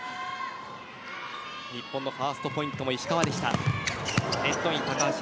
日本のファーストポイントも石川でした。